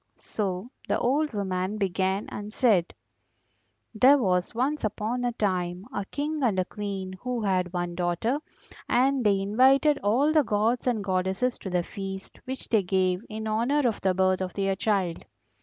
So the old woman began and said: "There was once upon a time a King and a Queen who had one daughter, and they invited all the gods and goddesses to the feast which they gave in honour of the birth of their child.